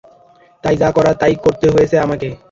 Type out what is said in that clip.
তাই যা করার তাই করতে হয়েছে আমাকে।